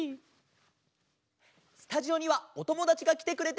スタジオにはおともだちがきてくれています。